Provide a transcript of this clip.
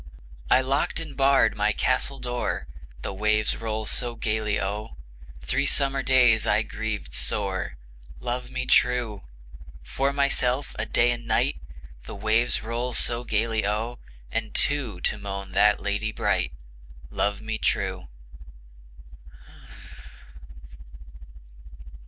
I locked and barred my castle door, The waves roll so gayly O, Three summer days I grieved sore, Love me true! For myself a day, a night, The waves roll so gayly O, And two to moan that lady bright, Love me true!